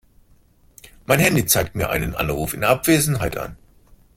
Mein Handy zeigt mir einen Anruf in Abwesenheit an.